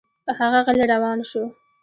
هغه غلی روان شو.